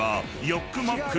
「ヨックモック」？